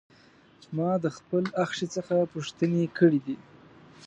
ما د خپل اخښي څخه پوښتنې کړې دي.